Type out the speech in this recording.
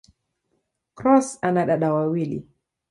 Cross ana dada wawili.